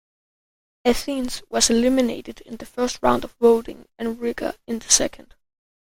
Athens was eliminated in the first round of voting and Riga in the second.